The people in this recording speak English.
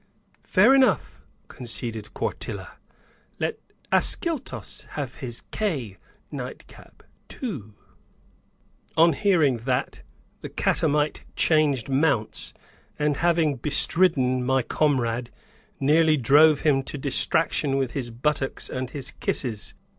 "Fair enough," conceded Quartilla, "let Ascyltos have his k night cap too!" On hearing that, the catamite changed mounts, and, having bestridden my comrade, nearly drove him to distraction with his buttocks and his kisses.